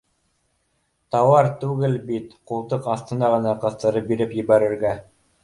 — Тауар түгел бит ҡултыҡ аҫтына ғына ҡыҫтырып биреп ебәрергә